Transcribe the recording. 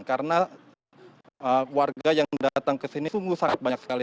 karena warga yang datang ke sini sungguh sangat banyak sekali